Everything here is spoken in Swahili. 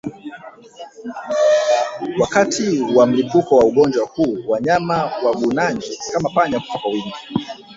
Wakati wa mlipuko wa ugonjwa huu wanyama wagugunaji kama panya hufa kwa wingi